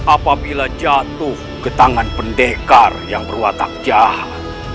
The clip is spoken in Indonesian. apabila jatuh ke tangan pendekar yang berwatak jahat